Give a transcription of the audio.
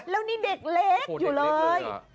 แล้วนี่เด็กเล็กอยู่เลย